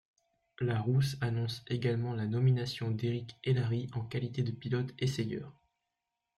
Larrousse annonce également la nomination d'Éric Hélary en qualité de pilote-essayeur.